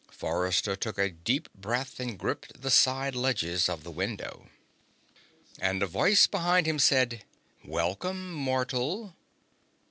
Forrester took a deep breath and gripped the side ledges of the window. And a voice behind him said: "Welcome, Mortal."